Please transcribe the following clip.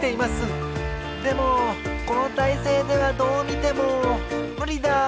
でもこのたいせいではどうみてもむりだ。